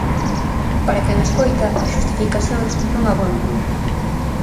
Para quen escoita, as xustificacións non abondan.